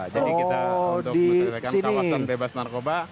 jadi kita untuk menceritakan kawasan bebas narkoba